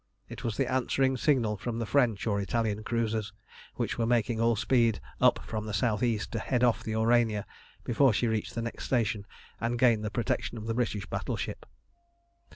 It was the answering signal from the French or Italian cruisers, which were making all speed up from the south east to head off the Aurania before she reached the next station and gained the protection of the British battleship.